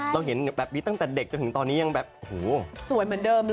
เราเห็นแบบนี้ตั้งแต่เด็กจนถึงตอนนี้ยังแบบหูย